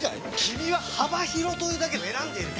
君は幅広というだけで選んでいる！